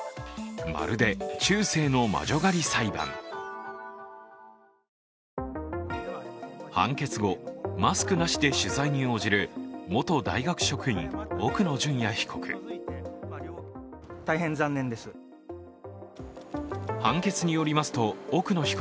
判決後、マスクなしで取材に応じる元大学職員、奥野淳也被告。